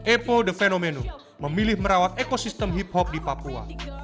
epo the fenomena memilih merawat ekosistem hip hop di papua